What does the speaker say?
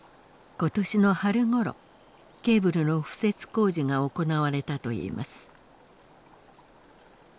今年の春ごろケーブルの敷設工事が行われたといいます。